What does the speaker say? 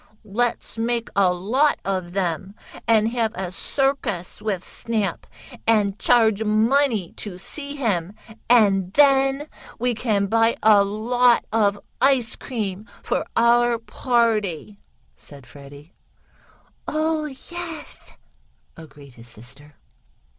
"Let's make a lot of 'em, and have a circus with Snap, and charge money to see him, and then we can buy a lot of ice cream for our party!" said Freddie. "Oh, yes!" agreed his sister.